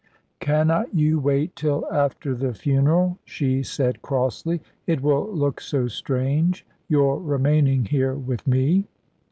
"Cannot you wait till after the funeral?" she said crossly. "It will look so strange, your remaining here with me."